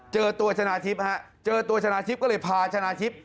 เจอตัวชนะทิพย์ฮะเจอตัวชนะทิพย์ก็เลยพาชนะทิพย์